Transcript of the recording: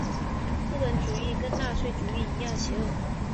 资本主义跟纳粹主义一样邪恶。